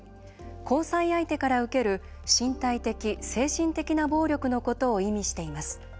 交際している相手から受ける身体的・精神的な暴力のことを意味しています。